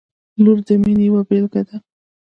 • لور د مینې یوه بېلګه ده.